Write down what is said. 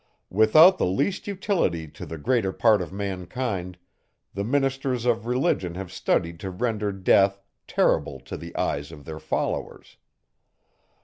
Without the least utility to the greater part of mankind, the ministers of religion have studied to render death terrible to the eyes of their followers.